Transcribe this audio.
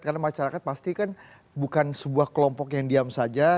karena masyarakat pasti kan bukan sebuah kelompok yang diam saja